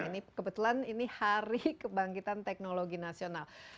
ini kebetulan ini hari kebangkitan teknologi nasional